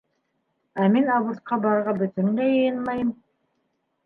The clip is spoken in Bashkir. Ә мин абортҡа барырға бөтөнләй йыйынмайым!